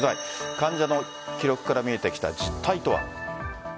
患者の記録から見えてきた実態とは。